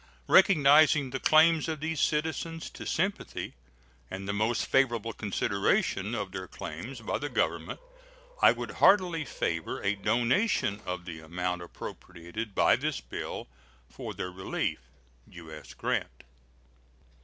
Recognizing the claims of these citizens to sympathy and the most favorable consideration of their claims by the Government, I would heartily favor a donation of the amount appropriated by this bill for their relief. U.S. GRANT.